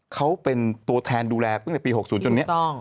เขาเป็นตัวแทนดูแลตั้งแต่ปี๖๐จนเนี่ย